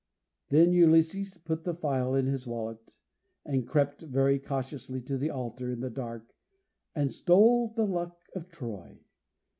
Then Ulysses put the phial in his wallet, and crept very cautiously to the altar, in the dark, and stole the Luck of Troy.